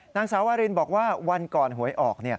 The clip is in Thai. นางสาววารินบอกว่าวันก่อนหวยออก